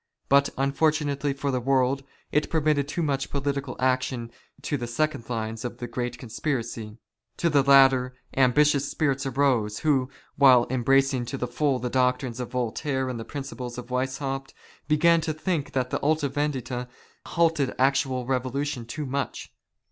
But fortunately for the world, it permitted too much political action to the second lines of the great conspiracy. In the latter, ambitious spirits arose, who, while embracing to the full the doctrines of Voltaire and the principles of Weishaupt, began to think that the Alta Vendita stayed actual revolution too much.